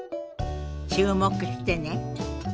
注目してね。